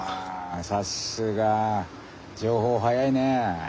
あさすが情報早いねぇ。